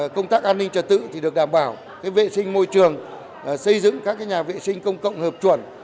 công tác an ninh trật tự được đảm bảo vệ sinh môi trường xây dựng các nhà vệ sinh công cộng hợp chuẩn